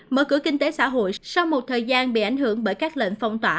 mở cửa kinh tế xã hội sau một thời gian bị ảnh hưởng bởi các lệnh phong tỏa